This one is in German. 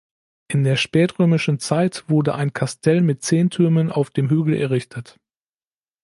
In der spätrömischen Zeit wurde ein Kastell mit zehn Türmen auf dem Hügel errichtet.